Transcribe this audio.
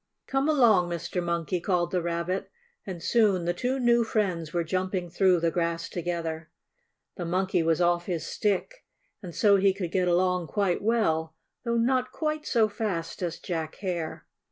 "Come along, Mr. Monkey," called the Rabbit, and soon the two new friends were jumping through the grass together. The Monkey was off his stick, and so he could get along quite well, though not quite so fast as Jack Hare.